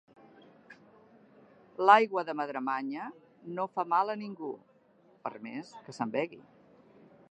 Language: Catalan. L'aigua de Madremanya no fa mal a ningú, per més que se'n begui.